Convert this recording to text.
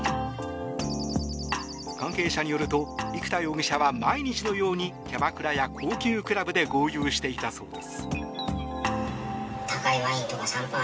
関係者によると、生田容疑者は毎日のようにキャバクラや高級クラブで豪遊していたそうです。